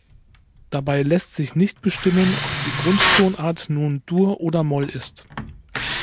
Dabei lässt sich nicht bestimmen, ob die Grundtonart nun Dur oder Moll ist.